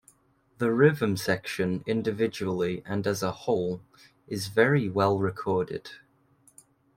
The rhythm section, individually and as a whole, is very well-recorded.